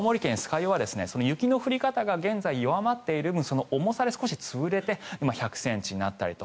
湯は雪の降り方が現在弱まっている分重さで少し潰れて１００ｃｍになったりと。